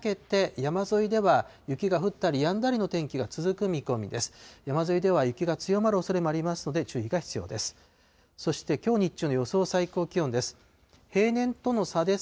山沿いでは雪が強まるおそれがありますので、注意が必要です。